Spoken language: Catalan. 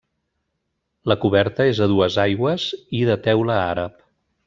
La coberta és a dues aigües i de teula àrab.